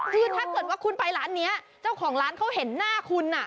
คือถ้าเกิดว่าคุณไปร้านนี้เจ้าของร้านเขาเห็นหน้าคุณ